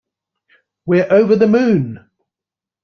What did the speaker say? We’re over the moon!